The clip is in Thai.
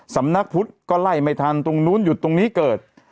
สำนักพุทธก็ไล่ไม่ทันตรงนู้นหยุดตรงนี้เกิด